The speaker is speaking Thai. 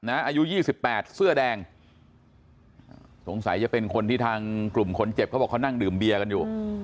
อายุ๒๘เสื้อแดงสงสัยจะเป็นคนที่ทางกลุ่มคนเจ็บเขาบอกเขานั่งดื่มเบียร์กันอยู่